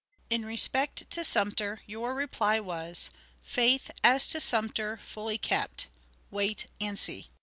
In respect to Sumter, your reply was, "Faith as to Sumter fully kept wait and see."